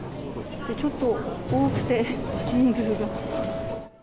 ちょっと、多くて、人数が。